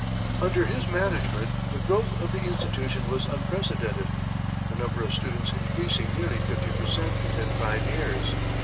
Under his management the growth of the institution was unprecedented, the number of students increasing nearly fifty per cent within five years.